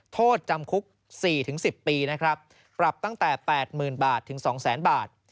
โทษจำคุก๔๑๐ปีกลับตั้งแต่๘๐๐๐๐บาท๒๐๐๐๐๐บาท